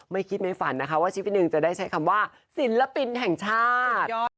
ไม่คิดไม่ฝันนะคะว่าชีวิตหนึ่งจะได้ใช้คำว่าศิลปินแห่งชาติ